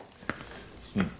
うん。